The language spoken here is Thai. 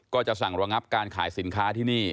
ก็จะสั่งระงับการขายสินค้าที่นี่